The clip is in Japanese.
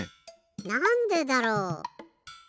なんでだろう？